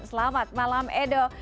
selamat malam edo